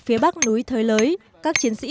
phía bắc núi thới lới các chiến sĩ